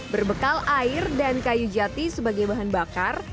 berbekal air dan kayu jati sebagai bahan bakar